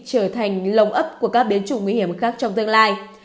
trở thành lồng ấp của các biến chủng nguy hiểm khác trong tương lai